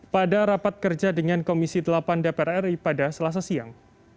pada rapat kerja dengan komisi delapan dpr ri pada selasa siang